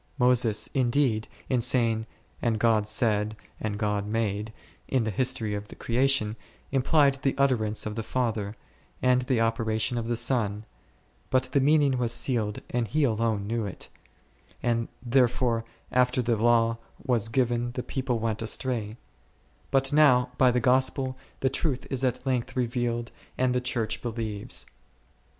Moses, indeed, in saying, And God said — and God made, in the history of the creation, implied the utterance of the Father, and the operation of the Son, but the meaning was sealed and he alone knew it, and therefore after the Law was given the people went astray ; but now by the Gospel, the truth is at length revealed and the Church believes.